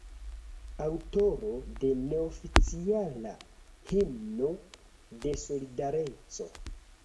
Aŭtoro de neoficiala himno de "Solidareco".